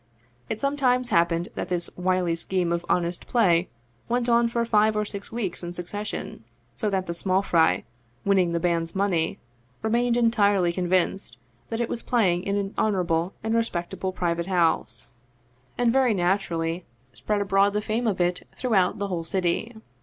It sometimes happened that this wily scheme of honest play went on for five or six weeks in succession, so that the small fry, winning the band's money, remained entirely con vinced that it was playing in an honorable and respectable private house, and very naturally spread abroad the fame 219 Russian Mystery Stories of it throughout the whole city.